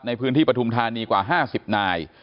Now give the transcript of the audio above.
ในพื้นที่ปฐุมธานีกว่า๕๐นาย